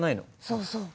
そうそう。